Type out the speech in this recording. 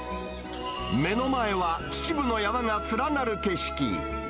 目の前は秩父の山が連なる景色。